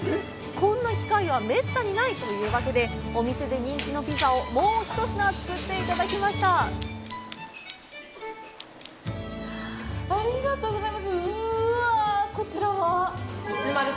こんな機会はめったにないというわけでお店で人気のピザをもうひと品作って頂きましたありがとうございますうわぁこちらは？